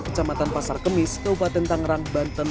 kecamatan pasar kemis kabupaten tangerang banten